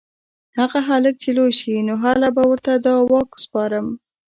هغه هلک چې لوی شي نو هله به ورته دا واک سپارم